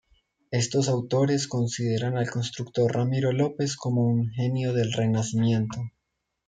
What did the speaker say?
Estos autores consideran al constructor Ramiro López como un genio del Renacimiento.